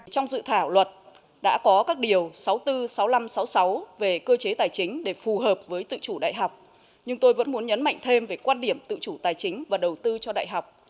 trong dự thảo luật đã có các điều sáu mươi bốn sáu nghìn năm trăm sáu mươi sáu về cơ chế tài chính để phù hợp với tự chủ đại học nhưng tôi vẫn muốn nhấn mạnh thêm về quan điểm tự chủ tài chính và đầu tư cho đại học